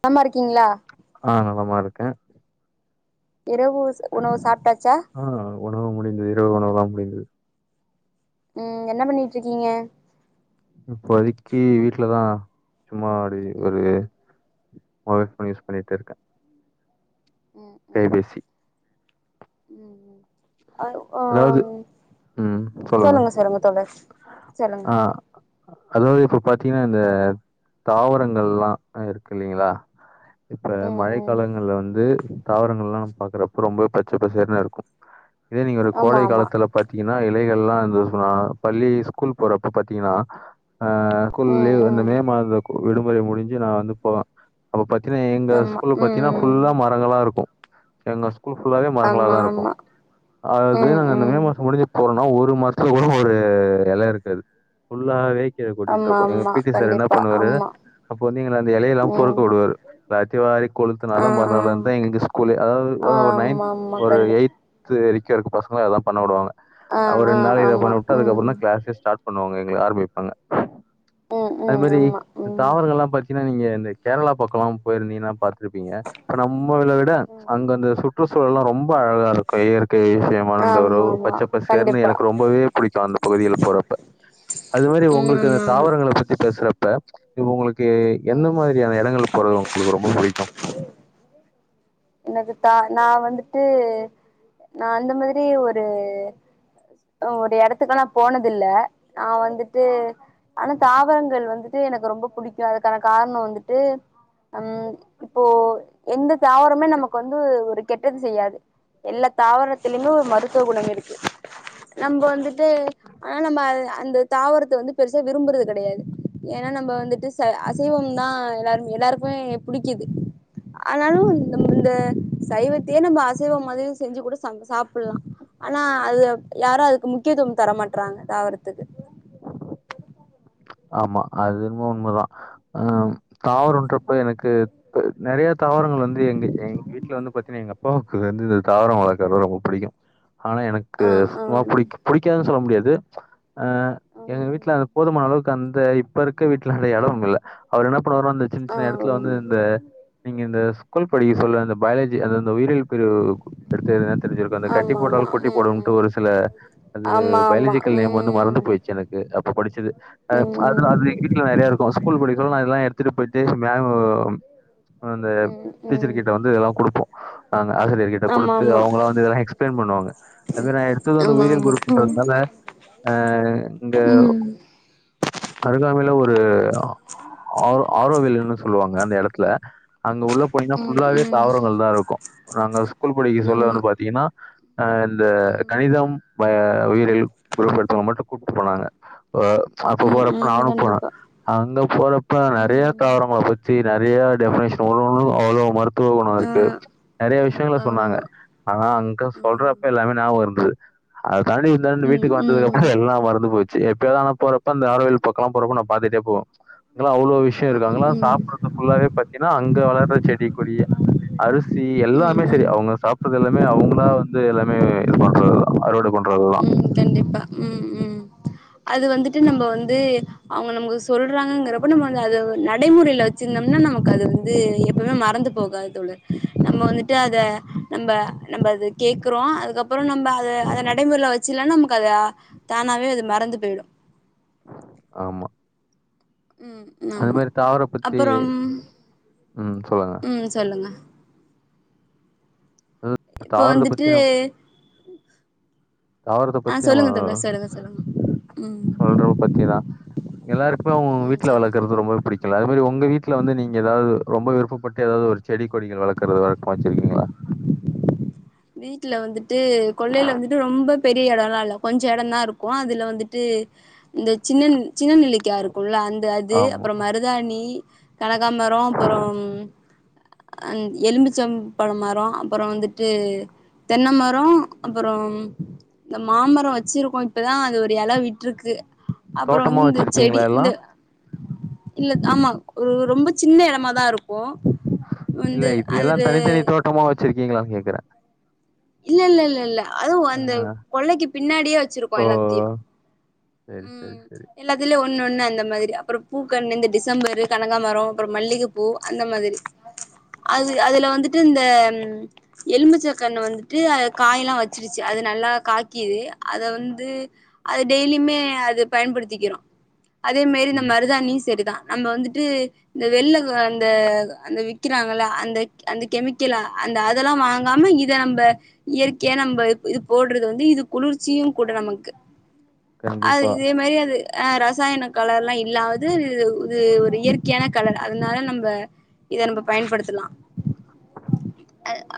நலமா இருக்கீங்களா? ஆ நலமா இருக்கே. இரவு உணவு சாப்ட்டாச்சா ஆ உணவு முடிந்தது இரவு உணவல்லாம் முடிந் தது. ம் என்ன பண்ணிட்ருக்கீங்க? இப்போதைக்கி வீட்லதா சும்மா அப்டியே ஒரு மொபைல் ஃபோன் யூஸ் பண்ணிட்டு இருக்கே. ம் ம் கைபேசி ம் ம் அ அதாவது ம் சொல்லுங்க சொல்லுங்க தோழர் சொல்லுங்க. அ அதாவது இப்ப பாத்தீங்கன்னா இந்த தாவரங்கள்ல்லா ஆ இருக்கு இல்லைங்களா இப்ப ம் மழைக் ம் காலங்கள்ல வந்து தாவரங்கள் எல்லா நம்ம பாக்குறப்ப ரொம்பவே பச்ச பசேல்னு இருக்கும் இதே ஆமா கோடை ஆமா காலத்தில பாத்தீங்கன் னா இலைகள்லா இந்த ஆ பள்ளி ஸ்கூல் போறப்ப பாத்தீங்கன்னா ஆ ஸ்கூல் ம் லீவு அந்த ம் மே மாத கூ விடுமுறை முடிஞ்சு நா வந்து போவே அப்ப பாத் தீங்கனா எங்க ஆமா ஸ்கூல் பாத்தீங்கன்னா ம் ஃபுல்லா ம் மரங்களா இருக்கு. [unintelligible] புல்லா வே மரங்கள ஆமா தான் இருக்கும் ஆமா ம் அந்த மே ம் மாசம் முடிஞ்ச போனா ஒரு மாத்தும் கூட ஒரு இலை இருக்காது புல்லாவே கீழே ஆமா கொட்டிட்டு இருக்கும் எங்க ஆமா பிட்டி சார் என்ன கண்டிப்பா பண்ணுவாரு ஆமா அப்ப வந்து எங்களை அந்த இலைய எல்லாம் பொறுக்க ம் விடுவாரு எல்லாத்தையும் வாரி கொலுத்துன ஆ ஆ தான் எங்கள் ஸ்கூல் அதது ஆ ஒரு ஆமா நயன்த் ஆமா ஒரு கண்டிப் எய்த் கே [unintelligible] அங்க இதான் பண்ண விடுவாங்க ஆ அவர் ஆ ரெண்டு நாள் இதை ஆமா பண்ண விட்டு ம் அதுக்கப்புற தான் கிளாஸ் ஸ்டார்ட பண்ணுவாங்க எங்க ஆரம்பிப்பாங்க ம் அது ம் மாதிரி ஆமா ம் தாவரங்கள் எல்லாம் பாத்தீங்க நீங்க இந்த கேரளா பக்கம்லாம் போயிருந்தீன்னா ப பா்த்த இருப்பீங்க நம்மள விட ம் அங்க ம் அந்த சுற்றுச்சூழல் எல்லாம் ரொம்ப ரொம்ப அழகா இருக்கும் இயற்கை ந்த ஆமா ஆமா பச்சைப்பசேனு கண்டிப்பா எனக்கு ரொம்பவே பிடிக்கும் அந்த பகுதியில் போறப்ப அது மாதிரி ம் உங்களுக்கு ஆமா ஆமா தாவரங்களை பத்தி பேசுற ப்ப உங்களுக்கு எந்த ம் மாதிரியான இடங்கள் போறது உங்களுக்கு ரொம்ப பிடிக்கும் நான் வந்துட்டு நான் அந்த மாதிரி ஒரு ஒரு இடத்துக்கு நான் போனதில்லை நான் வந்துட்டு ஆனா தாவரங்கள் வந்துட்டு எனக்கு ரொம்ப பிடிக்கும் அதுக்கான காரணம் வந்துட்டு ஹம் இப்போ எந்த தாவரமே நமக்கு வந்து ஒரு கெட்டது செய்யாது எல்லா தாவரத்திலயுமே மருத்துவ குணம் இருக்கு நம்ம வந்துட்டு ஆனா நம்ம அந்த தாவரத்தை வந்து பெருசா விரும்புறது கெடையாது ஏன்னா நம்ம வந்துட்டு ச அசைவம் தான் எல்லாருமே எல்லாருக்குமே பிடிக்குது ஆனாலும் இந்த இந்த சைவத்தையே நம்ம அசைவம் மாதிரி செஞ்சு கூட சாப்பிடலாம் ஆனா அது யாரும் அதுக்கு முக்கியத்துவம் தர மாட்டறாங்க தாவரத்துக்கு ஆமா அது என்னவோ உண்மைதான் அஹ் தாவரம்ன்றப்ப எனக்கு நெறைய தாவரங்கள் வந்து எங்க எங்க வீட்டுல வந்து பாத்தீங்கனா எங்க அப்பாவுக்கு வந்து இந்த தாவரம் வளர்க்குறது ரொம்ப பிடிக்கும் ஆனா எனக்கு ஆ ஆ சும்மா ம் புடி புடிக்காதுன்னு சொல்ல முடியாது இது ஆஹ் எங்க வீட்டுல அந்த போதுமான அளவுக்கு அந்த இப்ப இருக்க வீட்டில் இடமும் இல்லை அவர் எனப் அப்புறம் அந்த சின்ன ஆ சின்ன இடத்துல வந்து ம் இந்த நீங்க இந்த ஸ்கூல் படிக்க சொல்ல அந்த பயாலஜி அந்தந்த உயிரியல் எடுத்து தெரிஞ்சிருக்கும் அந்த கட்டி ஆமா போட்டால் குட்டி போடும்ட்டு ஒரு சில அது ஆமா பயாலஜிக்கல் நேம் வந்து மறந்து ம் போயிச்சு எனக்கு படிச்சது அதுல அது எ வீட்டுல நெறைய இருக்கும் ஸ்கூல் படி அதெல்லாம் எடுத்துட்டு போய்ட்டு மேம் அந்த டீச்சர் ம் கிட்ட வந்து இதெல்லாம் கொடுப்போம் நாங்க ஆசிரியர்க கிட்ட கொடுத்து ஆமா அவங்கல்லாம் வந்து இதெல்லாம் எக்ஸ்பிளைன் பண்ணுவாங்க அது மாதிரி நான் எடுத்தது வந்து ஆமா உயிரியல் குரூப்ன்றதுனால அஹ் இங்க ம் அருகாமைல ஒரு அ அர்ரோவ் வில்னு சொல்லுவாங்க அந்த இடத்துல அங்க உள்ள போனீனா ம் ம் ம் ம் ஆமா ஆமா ஆமா ஆமா ம் ம் ம் ஃபுல்லாவே ம் தாவரங்கள் தான் இருக்கும் நாங்க ஸ்கூல்படிக்கு சொல்ல ஆமா வந்து பாத்தீங்கன்னா இந்த ம் கணிதம் பய உயிர்கள் குரூப் எடுத்தவங்க மட்டும் கூப்பிட்டு போனாங்க அப்ப ம் போறப்ப ம் நானும் போனேன் கண்டிப்பா அங்க போறப்ப நெறைய ம் தாவரங்க பத்தி நெறைய டெபினேஷன் அவ்வளவு ம இரு துவ குணம் ஆ இருக்கு நெறைய விஷயங்க சொன்னாங்க ஆமா ஆனா அங்க ஆ சொல்றப்ப எல்லாமே ஞாபகம் இருந்தது அ தனி த ம் வீட்டுக்கு வந்ததுக்க ம் அப்புறம் எல்லாம் மறந்து போய்டு எப்பய தான போற இப்ப அந்த அரவியில் பக்கெல்லாம் போறப்போ நான் பாத்துட்டே போவேன் அவ்ளோ விஷயம் ஆமா இருக்கும் ம் சாப்படுறது புல்ல பாத்தீங்கன்னாங்க வளர செடி கொடி ய அ ம் எல்லாமே ம் செரி அவங்க சாப்ப பது எல்லாமே அவுங்களா வந்து எல்லாமே இது பண்றதுதான் அறுவடை பண்றதுதான் ம் கண்டிப்பா ம் ம் அது வந்துட்டு நம்ம வந்து அவுங்க நமக்கு சொல்றாங்கங்கிறப்ப நம்ம வந்து அது நடைமுறையில வச்சிருந்தோம்னா நமக்கு அது வந்து எப்பவுமே மறந்து போகாது தோழர் நம்ம வந்துட்டு அத நம்ம நம்ம அத கேக்குறோம் அதுக்கப்புறம் நம்ம அதை அத நடைமுறையில வச்சலன்னா நமக்கு அதை தானாவே அது மறந்து போய்டும் ஆமா உம் அது ஆமா மாரி தாவர பத்தி அப்புறம் ம் சொல்லுங்க. உம் சொல்லுங்க இப்போ தாவரத்த வந்துட்டு தாவரத்தை ஆ பத்தி நம்ம சொல்லுங்க தோழர் சொல்லுங்க சொல்லுங்க ம் சொல்றவ பத்திதான் எல்லாருக் ம் வீட்டுல சொல்லுங்க வளர்க்கறது ரொம்ப பிடிக்கல அ அதே மாதிரி உங்க வீட்டுல வந்து நீங்க ஏதாவது ரொம்ப விருப்பட்டு ஏதாவது ஒரு செடி கொடிகள் வளர்க்குறது வழக்கமா வச்சிருக்கீங்களா வீட்டுல வந்துட்டு கொல்லையில வந்துட்டு ரொம்ப பெரிய எடம்ல்லாம் இல்லை கொஞ்சம் எடம் தான் இருக்கும் அதுல வந்துட்டு இந்த சின்ன சின்ன நெல்லிக்காய் இருக்கும்லா அந்த அது ஆமா. அப்புறம் மருதாணி கனகா மரம் அப்புறம் அ எலும்பிச்சம் பழ மரம் அப்புறம் வந்துட்டு தென்னைமரம் அப்புறம் இந்த மாமரம் வச்சிருக்கோம் இப்பதான் அது ஒரு இல விட்டுருக்கு தோட்டமா வச்சிருக்கீங்களா எல்லாம் இல்ல ஆமா ஒரு ரொம்ப சின்ன இடமாதான் இருக்கும் இல்ல இப்படி எல்லாம் தனித்தனி தோட்டமா வச்சிருக் நீங்களான்னு கேக்குறேன் இல்ல இல்ல இல்ல இல்ல அதுவும் அந்த கொல்லைக்கு பின்னாடியே வச்சிருக்கோம் எல்லாத்தையும் செரி செரி செரி ஒண்ணு ஒண்ணு அந்த மாதிரி அப்புறம் பூ கண்ணு இந்த டிசம்பர் கனகாபரம் அப்புறம் மல்லிகைப்பூ அந்த மாதிரி அது அதுல வந்துட்டு இந்த எலும்பிச்சை கண்ணு வந்துட்டு அது காய் எல்லாம் வச்சிருச்சு அது நல்லா காக்கிது அத வந்து அது டெய்லியுமே அத பயன்படுத்திக்கிறோம் அதே மாரி இந்த ம். மருதாணி செரிதான் நம்ம வந்துட்டு இந்த வெள்ள அந்த அந்த வி்க்கிறாங்கள அந்த அந்த கெமிக்கலா அந்த அதெல்லாம் வாங்காம இத நம்ம இயற்கையா நம்ம இது போடுறது வந்து இது குளிர்ச்சியும் கூட நமக்கு அது கண்டிப்பா. இதே மாதிரி அது ஆஹ ரசாயன கலர்ல்லாம் இல்லாது இது ஒரு இயற்கையான கலர் அதனால நம்ப இத நம்ம பயன்படுத்தலாம்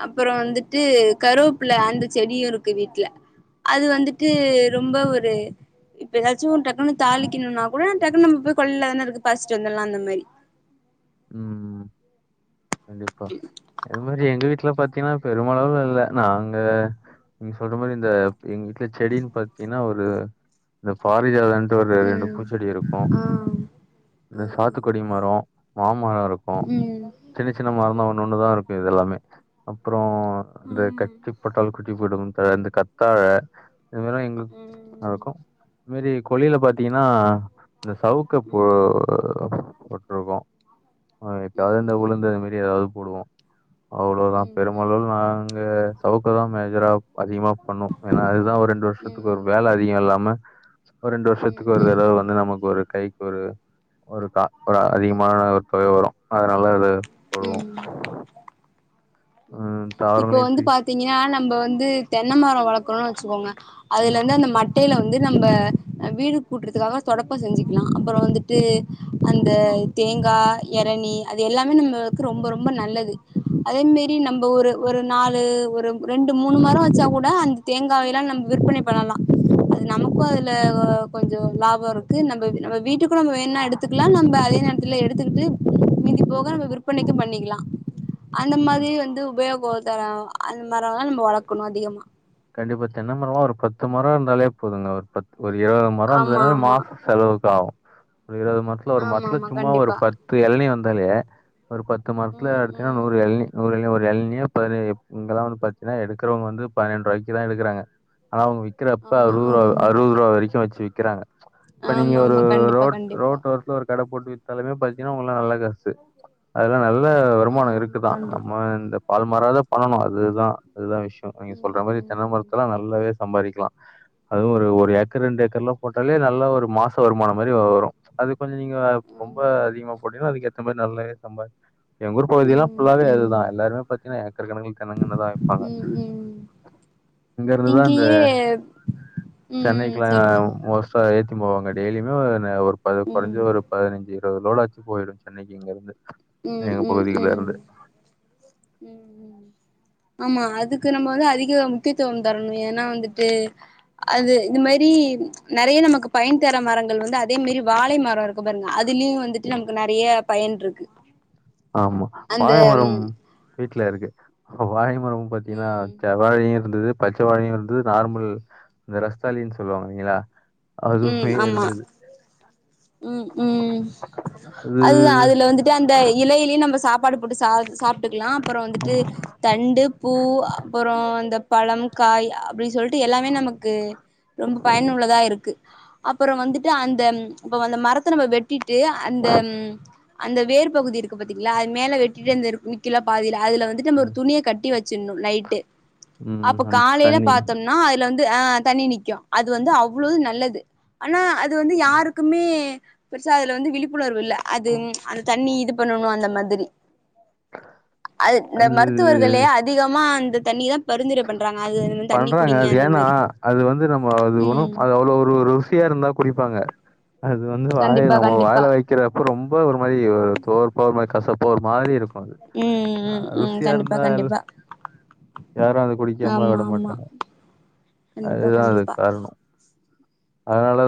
அப்புறம் வந்துட்டு கருவேப்புல அந்த செடியும் இருக்கு வீட்டுல அது வந்துட்டு ரொம்ப ஒரு இப்ப ஏதாச்சும் ஒரு டக்குன்னு தாளிக்கணும்னா கூட டக்குன்ன நம்ம போய் கொள்ளையில தான் இருக்கு பரிசிட்டு வந்தலாம் அந்த மாதிரி உஹம் கண்டிப்பா இது மாதிரி எங்க வீட் வீட்ல பா்த்தீங்கன்னா பெருமளவுல இல்ல நாங்க நீங்க சொல்ற மாதிரி இந்த எங்க வீட்டுல செடினு பார்த்தீங்கன்னா ஒரு இந்த பாரிஜாதன்ட்டு ஒரு ரெண்டு ம் பூச்செடி இருக்கும் ஆ இந்த ஆ சாத்துக்குடி மரம் மரம் இருக்கும் சின்ன சின்ன மரம்ந்தான் ஒண்ணு ஒண்ணு தான் இருக்கும் இதெல்லாமே அப்புறம் ஆ அந்த ம் கட்டிப்பட்டல் கட்டி போடும் இந்த கத்தாழ இதுமாரி எங்களுக்கும் இது மாரி கொல்லையில பாத்தீங்கன்னா இந்த சவுக்கு போ போட்டிருக்கோம் ஆஹ இப்ப அதாவது உளுந்து அது மாரி ஏதாவது போடுவோம் அவ்வளவுதான் பெருமளவு நாங்க சவுக்க தான் மேஜரா அதிகமா பண்ணுவோம் ஏன்னா அதுதான் ஒரு ரெண்டு வருஷத்துக்கு ஒரு வேலை அதிகம் இல்லாம ஒரு ரெண்டு வருஷத்துக்கு ஒரு தடவை வந்து நமக்கு ஒரு கை ஒரு ஒரு க ஒரு அதிக ம ஒரு தொகை வரும் அதனால அது உம் ம் இப்ப தாவரங்களையும் வந்து திரி பாத்தீங்கன்னா நம்ப வந்து தென்னை மரம் வளக்கணும்னு வச்சுக்கோங்க அதுல இருந்து அந்த ம மட்டையில வந்து நம்ம வீடு கூட்டுறதுக்காக தொடப்பம் செஞ்சுக்கலாம் அப்புறம் வந்துட்டு அந்த தேங்காய் இளணி அது எல்லாமே நம்மளுக்கு ரொம்ப ரொம்ப நல்லது அதேமாரி எப்டி நம்ம ஒரு ஒரு நாலு ஒரு ரெண்டு மூணு மரம் வச்சா கூட அந்த தேங்காயை எல்லாம நம்ம விற்பனை பண்ணலா அது நமக்கும் அதுல கொஞ்சோ லாபம் இருக்கு நம்ம நம்ம வீட்டுக்கும் நம்ம வேணும்னா எடுத்துக்கலாம் நம்ம அதே நேரத்துல எடுத்துக்கிட்டு மீதி போக நம்ம விற்பனைக்கும் பண்ணிக்கலாம் அந்த ம். மாரி உபயோகம் தர அந்த மரம் எல்லா நம்ம வளக்கணும் அதிகமா கண்டிப்பா தென்னை மரம் ஒரு பத்து மரம் இருந்தாலே போதுங்க ஒரு பத் ஒரு இருவது மரம் ஆமா இருந்ததுனா ஆமா மாச செலவுக்கு ஆகும் ஒரு இருவது மரத்துல ஒரு ஆமா மரத்துல ஆமா சும்மா ஒரு கண்டிப்பா பத்து இளநீ வ வேலையே ஒரு பத்து மரத்துல ம் ம் அறுத்தனா நூறு இளநீ நூறு இளநீ பதனியோ இங்க வந்து பாத்தீங்கன்னா எடுக்கிறவங்க வந்து பதினெண்டு ரூபாய் தா எடுக்குறாங்க ஆனா அவுங்க விக்கிறப்ப ஆமா அறுவரு ம் அறுவது ரூபா வரைக்கும் வச்சு விக் கிறாங்க இப்ப நீங்க ஆமா ஒரு ஆமா கண்டிப்பா ரோட் கண்டிப்பா ரோட் ஓரத்துல ஒரு கடை போட்டு வித்தாலுமே பத்திங்கன்னா உங்க நல்ல காசு சரி அதல்லா நல்ல வருமானம் ஆமா இருக்கு ஆமா தான் கண்டிப்பா நம்ம இந்த பால் மாறாதான் பண்ணணும் அதுதான் அதுதான் விஷயம் நீங்க சொல்ற மாரி தென்னை மரத்துல நல்லாவே சம்பாரிக்கலாம் அதுவும் ஒரு ஒரு ஏக்கர் ரெண்டு ஏக்கர் எல்லா போட்டாலே நல்லா ஒரு மாச வருமானம் மாரி வரும் அது கொஞ்சோ நீங்க ரொம்ப அதிகமா போட்டீக்கனா அதுக்கு ஏத்த நல்லவே சம்பாதி எங்க ஊர் பகுதியெல்லா ஃபுல்லாவே அதுதான் எல்லாருமே பாத்தீங்கனா ஏக்கர் கணக்குல தென்னங்கண்ணு தா வைப்பாங்க இங்கயே சென்னைக்குலாம் மோஸ்டா எடுத்துன்னு போவாங்க டெய்லியுமே ஒரு ம் [unintelligible] ஒரு பதினஞ்சு ஒரு லோடு ஆச்சு போயிடும் சென்னைக்கு இங்கிருந்து ம் ம் ம் ம் ம் ஆமா அதுக்கு நம்ம வந்து அதிக முக்கியத்துவம் தரனும் ஏன்னா வந்துட்டு அது இது மாரி நெறைய நமக்கு பயன் தர மரங்கள் வந்து அதே மாரி வாழை மர இருக்கும் பாருங்க அதுலயும் வந்துட்டு நமக்கு நெறைய பயன் இருக்கு ஆமா வாழைமரம் வீட்ல இருக்கு [unintelligible] [inaudible] பாத்தீங்கன்னா ம் செவ்வாழயும் இருந்தது பச்ச வாழையும் இருந்தது நார்மல் இந்த ரஸ்தாலின்னு சொல்லுவாங்க இல்லீங்களா ம் அதுமே ஆமா இருந்தது ம் ம் அது அதுதான் அதுல வந்துட்டு அந்த இலையிலயும் நம்ம சாப்ப பாடு போட்டு சாப் சாப் டுகலாம் அப்ற வந்துட்டு ஆமா. தண்டு பூ அப்புற அந்த பழம் காய் அப்டி சொல்லிட்டு எல்லாமே நமக்கு ரொம்ப பயனுள்ளதா இருக்கு அப்பற வந்துட்டு அந்த இப்ப வந்த மரத்த நம்ம வெட் ட்டிட்டு அந்த அந்த வேர் பகுதி இருக்கு பாத்தீங்ளா மேலே வெட்டிட்டு வந்தாரு குள்க்கல பாதிலா அதுல வந்துட்டு நம்ம ஒரு ம் துணிய கட்டி வச்சிணு நைட்டு ம் அப்ப அந்த காலையில தண்ணி பாத்தொம்னா அதுல வந் து ஆ தண்ணி நிக்கு அது வந்து அவ்ளவ் நல்லது ஆனா அ து வந்து யாருக் னி பெருசா அதுல வந்து விழிப்புணர்வு இல்ல அது அந்த தண்ணி இது பண்ணணு அந்த மாதிரி ந்திரி அ இந்த அது மருத்துவர்களே அதிகமா அந்த தண்ணித பண்றாங்க அது ஏன்னா மாரி அது வந்து நம்ம அது ஒணு ம் அது அவ்ளவ் ஒரு ஒரு ருசியா இருந்தா குடி ப்பாங்க அது வந்து வாய கண்டிப்பா நம்ம கண்டிப்பா வாயில வைக்கிற அப்ப ரொம்ப ஒரு மாரி ஒரு துவர்பா ஒரு மாரி கசப் ப்ப ஒரு மாரி இருக் ம் ம் ம் கண்டிப்பா கண்டிப்பா யாரோ அத குடிக்காம ஆமா விட ஆமா மாட்டாங்க கண்டிப்பா அதுதா அதுக்கு கண்டிப்பா காரனோ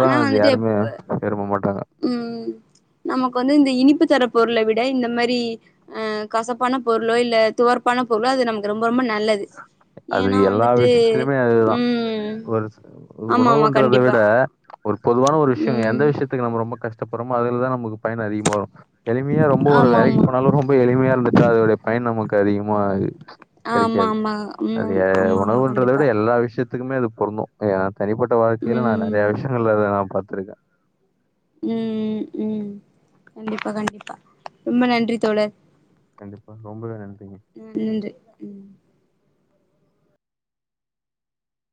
ஆனா வந்துட்டு எப்ப விரும்ப மாட்டாங்க ம் நமக்கு வந்து இந்த இனிப்பு தர பொருள விட இந்த மாரி அ கசப்பான பொருளோ இல்ல துவர்ப்பான பொருளோ அது நமக்கு ரொம்ப ரொம்ப நல்லது அது ஏன்னா எல்லா வந்துட்டு விஷயத்திலியுமே அதுதா ம் ஒரு ஆமா ஆமா உணவுன்றத கண்டிப்பா விட ஒரு பொதுவான ஒரு விஷய ம் எந்த விஷயத்துக்கு நம்ப ரொம்ப கஷ்டப்படுறோமோ அதுலதா நமக்கு பயன் அதிகமா வரு எளிமையா ரொம்ப ஒரு ஆமா வேலைக்கு போனாலு ரொம்ப எளிமையா இருந் அதனுடைய பயன் நமக்கு அதிகமா ச் ஆமா கிடைக்காது ஆமா ஆமா அது ம் ஆமா ஆமா உணவுன்றத கண்டிப்பா விட எல்லா விஷத் த்துக்குமே அது பொருந்து ப ய தனிப்பட்ட வாழ்க்கையில நா நெறைய ம் விஷயங்கள [unintelligible] நா பா [unintelligible] ம் ம் கண்டிப்பா கண்டிப்பா ரொம்ப நன்றி தோழர் கண்டிப்பா ரொம்பவே நன்றிங்க நன்றி ம்